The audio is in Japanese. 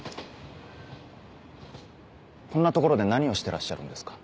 こんな所で何をしてらっしゃるんですか。